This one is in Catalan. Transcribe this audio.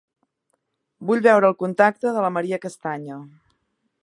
Vull veure el contacte de la Maria Castanya.